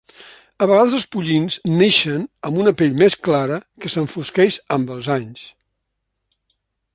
A vegades els pollins neixen amb una pell més clara que s'enfosqueix amb els anys.